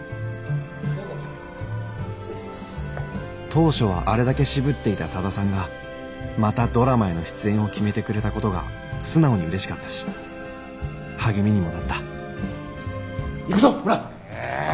当初はあれだけ渋っていた佐田さんがまたドラマへの出演を決めてくれたことが素直にうれしかったし励みにもなった行くぞほら！